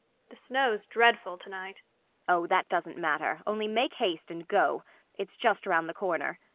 The snow's dreadful to night. MRS. BORKMAN. Oh, that doesn't matter; only make haste and go. It's just round the corner.